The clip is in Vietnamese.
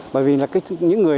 bởi vì là những người